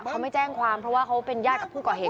เขาไม่แจ้งความเพราะว่าเขาเป็นญาติกับผู้ก่อเหตุ